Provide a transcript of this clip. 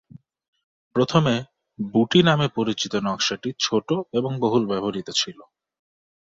প্রথমে "বুটি" নামে পরিচিত নকশাটি ছোট এবং বহুল ব্যবহৃত ছিল।